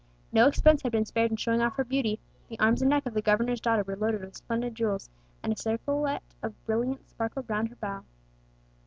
No expense had been spared in showing off her beauty; the arms and neck of the governor's daughter were loaded with splendid jewels, and a circlet of brilliants sparkled round her brow.